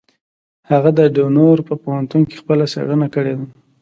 هغه د ډنور په پوهنتون کې خپله څېړنه کړې ده.